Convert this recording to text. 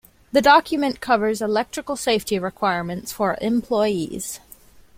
The document covers electrical safety requirements for employees.